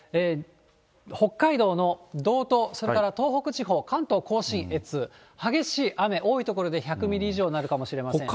北海道の道東、それから東北地方、関東甲信越、激しい雨、多い所で１００ミリ以上になるかもしれません。